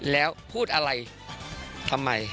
แล้วพูดอะไรทำไม